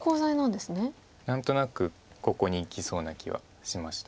何となくここにいきそうな気はしました。